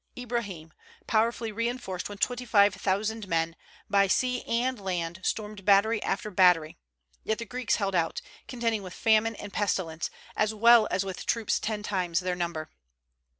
Ibrahim, powerfully reinforced with twenty five thousand men, by sea and land stormed battery after battery; yet the Greeks held out, contending with famine and pestilence, as well as with troops ten times their number.